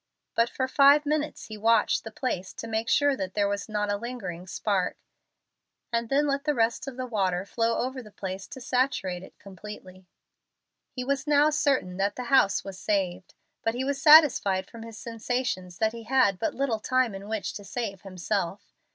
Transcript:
But for five minutes he watched the place to make sure that there was not a lingering spark, and then let the rest of the water flow over the place to saturate it completely. He was now certain that the house was saved. But he was satisfied from his sensations that he had but little time in which to save himself.